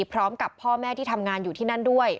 พร้อมกับพ่อแม่ที่ทำงานอยู่ที่นั่นด้วย